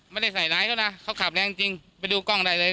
ไม่ได้ใส่ร้ายเขานะเขาขับแรงจริงไปดูกล้องได้เลย